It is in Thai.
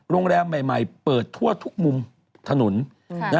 โรงแรมใหม่เปิดทั่วทุกมุมถนน